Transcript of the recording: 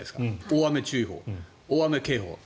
大雨注意報、大雨警報。